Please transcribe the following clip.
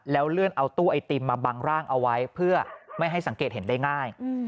เลื่อนเอาตู้ไอติมมาบังร่างเอาไว้เพื่อไม่ให้สังเกตเห็นได้ง่าย